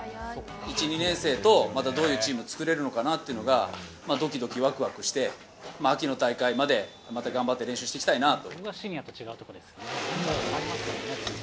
１、２年生と、またどういうチーム作れるのかなというのが、どきどき、わくわくして、秋の大会まで、また頑張って練習していきたいなと。